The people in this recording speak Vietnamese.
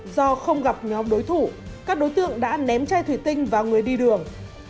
do không gặp nhóm đối thủ các đối tượng đã ném chai thủy tinh vào người đi đường